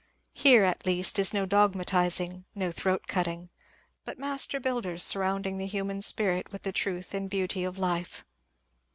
Here at least is no dogmatizing, no throat cutting, but master builders surrounding the human spirit with the truth and beauty of life.